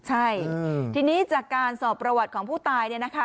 ใช่ทีนี้จากการสอบประวัติของผู้ตาย